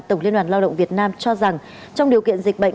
tổng liên đoàn lao động việt nam cho rằng trong điều kiện dịch bệnh